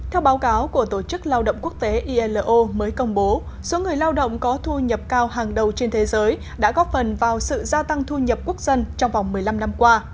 theo báo cáo của tổ chức lao động quốc tế ilo mới công bố số người lao động có thu nhập cao hàng đầu trên thế giới đã góp phần vào sự gia tăng thu nhập quốc dân trong vòng một mươi năm năm qua